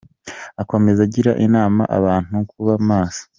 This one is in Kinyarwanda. Akomeza agira inama abantu kuba maso.